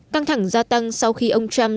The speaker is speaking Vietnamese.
căng thẳng gia tăng sau khi ông trump